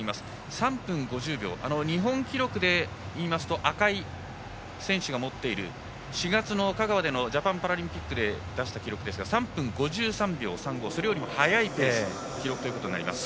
３分５０秒日本記録で言いますと赤井選手が持っている４月の香川でのジャパンパラリンピックで出した記録ですが３分５３秒３５それよりも速い記録となります。